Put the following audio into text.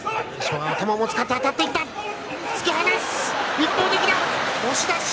一方的に、押し出し。